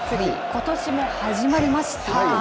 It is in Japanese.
ことしも始まりました。